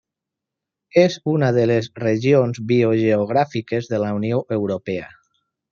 És una de les regions biogeogràfiques de la Unió Europea.